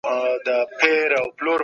غریب خلګ د ټولني برخه دي.